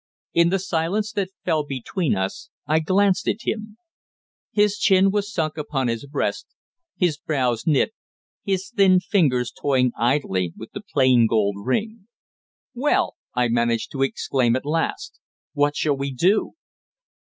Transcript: In the silence that fell between us, I glanced at him. His chin was sunk upon his breast, his brows knit, his thin fingers toying idly with the plain gold ring. "Well?" I managed to exclaim at last. "What shall we do?"